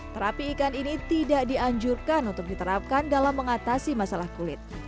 terapi ikan ini tidak dianjurkan untuk diterapkan dalam mengatasi masalah kulit